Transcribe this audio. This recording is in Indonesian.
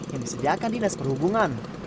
yang disediakan dinas perhubungan